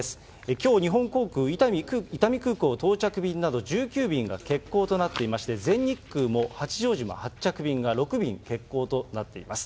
きょう、日本航空、伊丹空港到着便など、１９便が欠航となっていまして、全日空も八丈島発着便が６便、欠航となっています。